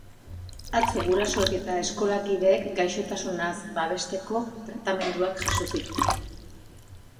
Atzo gurasoek eta eskolakideek gaixotasunaz babesteko tratamenduak jaso zituzten.